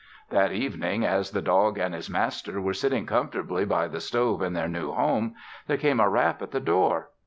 That evening, as the dog and his master were sitting comfortably by the stove in their new home, there came a rap at the door.